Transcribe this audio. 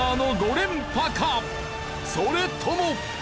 それとも。